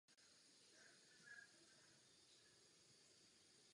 Naše bankovní sektory jsou odlišné.